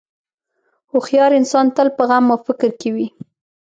هوښیار انسان تل په غم او فکر کې وي.